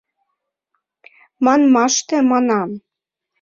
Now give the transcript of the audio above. Манмаште, манам.